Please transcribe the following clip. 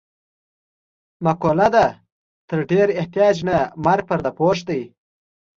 مقوله ده: تر ډېر احتیاج نه مرګ پرده پوښ دی.